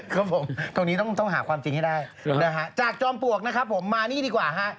ครับผมตรงนี้ต้องหาความจริงให้ได้นะฮะจากจอมปลวกนะครับผมมานี่ดีกว่าฮะ